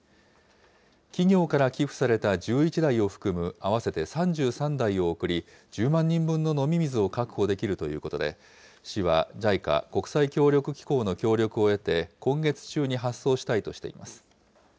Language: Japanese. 企業から寄付された１１台を含む合わせて３３台を送り、１０万人分の飲み水を確保できるということで、市はＪＩＣＡ・国際協力機構の協力を得て、今月中に発送したいとしています。